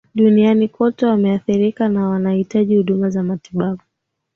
duniani kote wameathirika na wanahitaji huduma za matibabu